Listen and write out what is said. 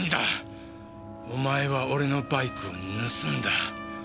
お前は俺のバイクを盗んだ。